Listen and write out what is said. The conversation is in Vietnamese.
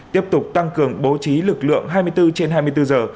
tiếp tục tăng cường bố trí lực lượng hai mươi bốn trên hai mươi bốn giờ